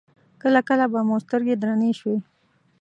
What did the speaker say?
کله کله به مو سترګې درنې شوې.